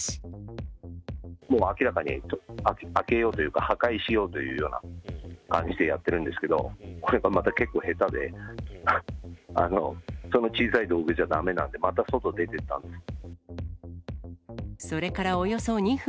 もう明らかに、開けようというか、破壊しようというような感じでやってるんですけど、これがまた結構下手で、そんな小さい道具じゃだめなんで、それからおよそ２分。